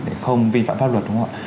để không vi phạm pháp luật đúng không ạ